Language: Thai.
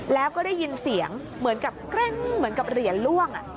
แล้วก็ได้ยินเสียงเหมือนกับเกร็งเหมือนกับเหรียญล่วง